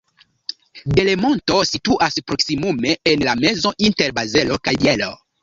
Delemonto situas proksimume en la mezo inter Bazelo kaj Bielo.